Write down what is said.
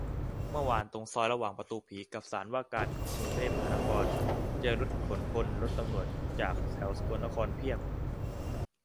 เมื่อวานตรงซอยระหว่างประตูผีกับศาลาว่าการกรุงเทพมหานคร เจอรถขนคน-รถตู้ตำรวจจากแถวสกลนครเพียบ